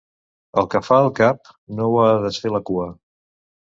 El que fa el cap no ho ha de desfer la cua.